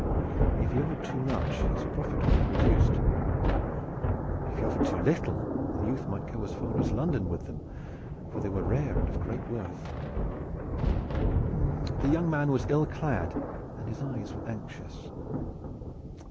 If he offered too much his profit would be reduced. If he offered too little the youth might go as far as London with them, for they were rare and of great worth. The young man was ill clad, and his eyes were anxious.